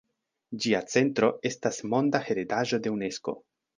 Ĝia centro estas Monda heredaĵo de Unesko.